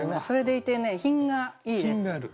それでいて品がいいです。